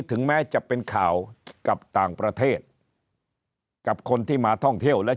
ถึงแม้จะเป็นข่าวกับต่างประเทศกับคนที่มาท่องเที่ยวและ